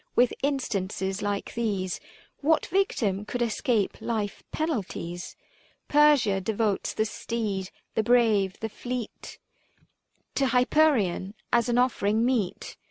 With instances like these What victim could escape life's penalties ? Persia devotes the steed, the brave, the fleet, 415 To Hypereion as an offering meet.